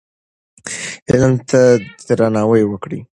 علم ته درناوی وکړئ.